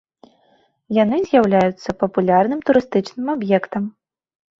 Яны з'яўляюцца папулярным турыстычным аб'ектам.